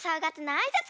あいさつ！